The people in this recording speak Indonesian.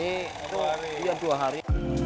itu dua hari